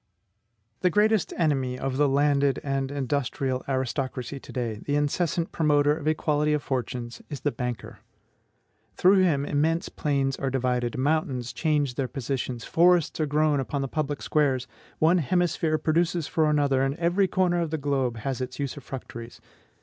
The greatest enemy of the landed and industrial aristocracy to day, the incessant promoter of equality of fortunes, is the BANKER. Through him immense plains are divided, mountains change their positions, forests are grown upon the public squares, one hemisphere produces for another, and every corner of the globe has its usufructuaries.